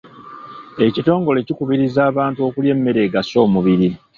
Ekitongole kikubiriza abantu okulya emmere egasa omubiri.